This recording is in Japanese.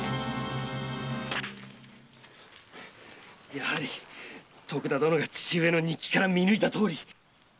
やはり徳田殿が父上の日記から見抜いたとおり。